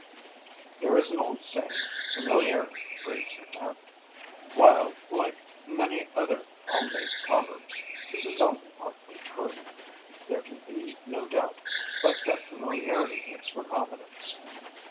There is an old saying, "Familiarity breeds contempt." While, like many other home made proverbs, this is only partly true, there can be no doubt but that familiarity makes for confidence.